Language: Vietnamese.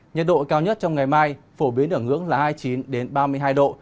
nhiệt độ cao nhất trong ngày mai phổ biến ở ngưỡng là hai mươi chín ba mươi hai độ